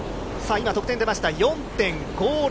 今、得点が出ました４．５０。